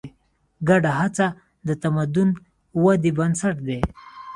ګډه هڅه د تمدن ودې بنسټ دی.